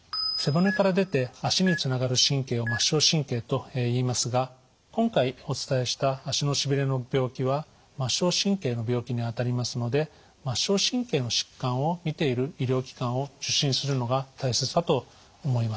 背骨から出て足につながる神経を末梢神経といいますが今回お伝えした足のしびれの病気は末梢神経の病気にあたりますので末梢神経の疾患を診ている医療機関を受診するのが大切だと思います。